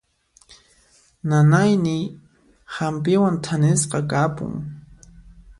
Nanayniy hampiwan thanisqa kapun.